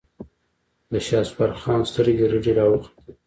د شهسوار خان سترګې رډې راوختې.